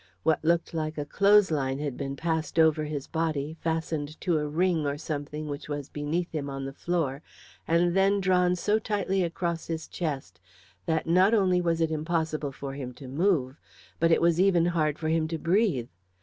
What looked like a clothes line had been passed over his body, fastened to a ring, or something which was beneath him, on the floor, and then drawn so tightly across his chest that not only was it impossible for him to move, but it was even hard for him to breathe.